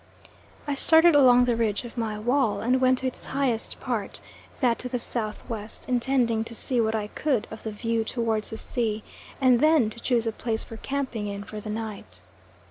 I started along the ridge of my wall, and went to its highest part, that to the S.W., intending to see what I could of the view towards the sea, and then to choose a place for camping in for the night.